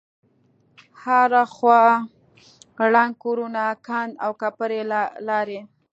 هره خوا ړنگ کورونه کند وکپرې لارې.